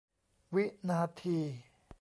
วินาที